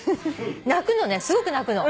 泣くのねすごく泣くの。